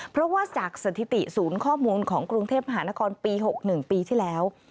เพราะว่าจากสถิติศูนย์ข้อมูลของกรุงเทพมหานครปี๖๑ปีที่แล้ว